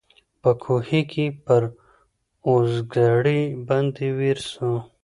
په کوهي کي پر اوزګړي باندي ویر سو